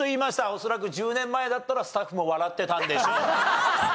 恐らく１０年前だったらスタッフも笑ってたんでしょう。